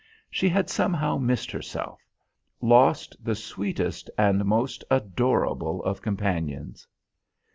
She had somehow missed herself, lost the sweetest and most adorable of companions!